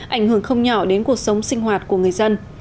ảnh hưởng không nhỏ đến cuộc sống sinh hoạt của người dân